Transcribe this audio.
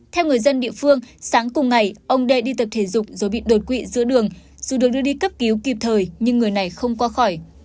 theo người dân địa phương sáng cùng ngày ông đệ đi tập thể dục rồi bị đột quỵ giữa đường dù được đưa đi cấp cứu kịp thời nhưng người này không qua khỏi